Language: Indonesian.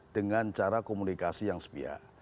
dengan cara komunikasi yang sebiak